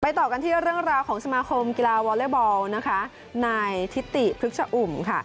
ต่อกันที่เรื่องราวของสมาคมกีฬาวอเล็กบอลนะคะนายทิติพฤกษอุ่มค่ะ